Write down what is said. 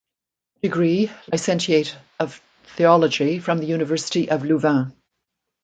Degree (Licentiate of Theology) from the University of Louvain.